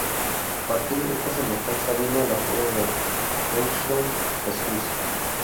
A partir de esta semejanza vino el apodo de "Touchdown Jesus".